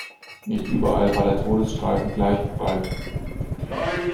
Nicht überall war der Todesstreifen gleich breit.